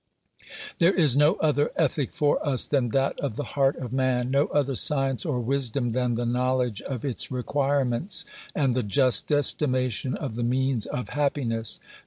There is no other ethic for us than that of the heart of man, no other science or wisdom than the knowledge of its requirements, and the just estimation of the means of happiness.